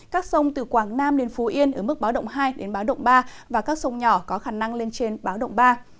các sông từ quảng nam đến phú yên ở mức báo động hai đến báo động ba và các sông nhỏ có khả năng lên trên báo động ba